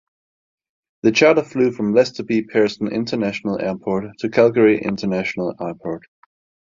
The charter flew from Lester B. Pearson International Airport to Calgary International Airport.